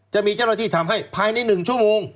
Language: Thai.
จะมีเจ้าหน้าที่ทำให้ภายใน๑ชั่วโมง